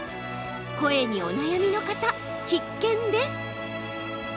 声にお悩みの方、必見です。